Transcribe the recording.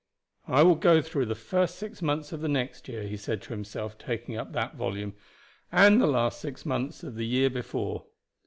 "I will go through the first six months of the next year," he said to himself, taking up that volume, "and the last six months of the year before."